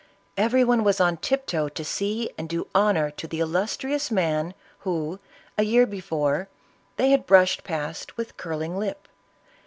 Every one was on tiptoe to see and do honor to the illustrious, man who, a year before, they had brushed past with curling lip.